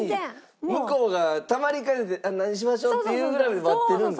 向こうがたまりかねて「何にしましょう」って言うぐらい待ってるんですね。